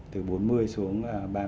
từ bốn mươi xuống